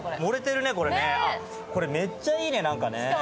めっちゃいいね、なんかね。